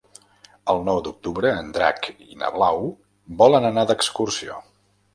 El nou d'octubre en Drac i na Blau volen anar d'excursió.